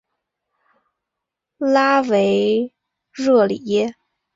拉维热里耶。